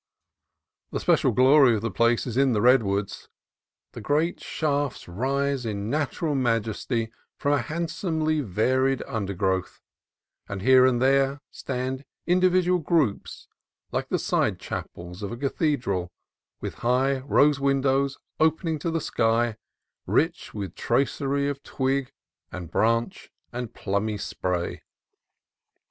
The special glory of the place is in the redwoods. The great shafts rise in natural majesty from a handsomely varied undergrowth, and here and there stand individual groups, like the side chapels of a cathedral, with high rose windows opening to the sky, rich with tracery of twig, and branch, and plumy spray.